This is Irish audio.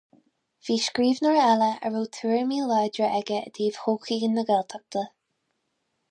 Bhí scríbhneoir eile a raibh tuairimí láidre aige i dtaobh thodhchaí na Gaeltachta.